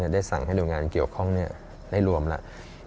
ได้สั่งให้หน่วยงานเกี่ยวข้องได้รวมแล้ว